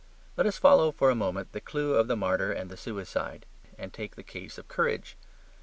Let us follow for a moment the clue of the martyr and the suicide; and take the case of courage.